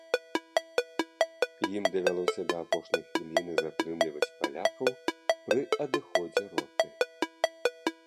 Ім давялося да апошняй хвіліны затрымліваць палякаў пры адыходзе роты.